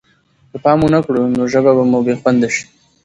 که پام ونه کړو نو ژبه به مو بې خونده شي.